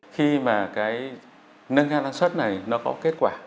khi mà cái nâng cao năng suất này nó có kết quả